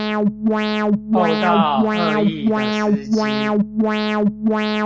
碰到惡意的司機